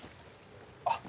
あっ。